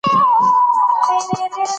د دلارام سیند اوبه د سړکونو تر غاړه بهېږي.